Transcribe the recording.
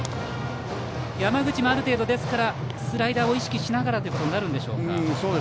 山口もある程度、スライダーを意識しながらとなるんでしょうか。